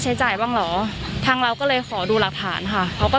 ใช้จ่ายบ้างเหรอทางเราก็เลยขอดูหลักฐานค่ะเขาก็